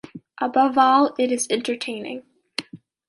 Above all, it is entertaining.